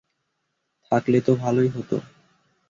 থাকলেতো ভালোই হতো!